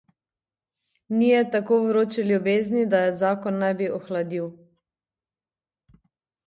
Ni je tako vroče ljubezni, da je zakon ne bi ohladil.